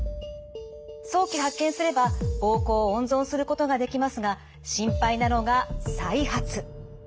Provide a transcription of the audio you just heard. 早期発見すれば膀胱を温存することができますが心配なのが再発。